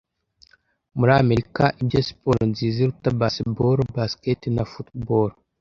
Muri Amerika ibyo siporo nziza iruta Baseball Basket na Football